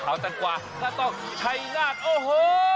ขาวแต้งกวาถ้าต้องไทยนาฬ